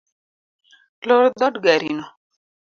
Lor dhod garino.